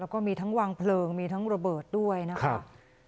แล้วก็มีทั้งวางเพลิงมีทั้งระเบิดด้วยนะครับ